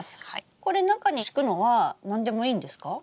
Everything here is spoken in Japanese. これ中に敷くのは何でもいいんですか？